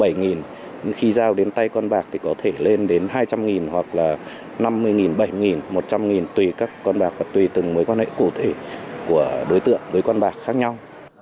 ví dụ như khi giao đến tay con bạc thì có thể lên đến hai trăm linh hoặc là năm mươi bảy mươi một trăm linh tùy các con bạc và tùy từng mối quan hệ cụ thể của đối tượng với con bạc khác nhau